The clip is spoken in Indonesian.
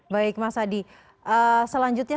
baik mas adi selanjutnya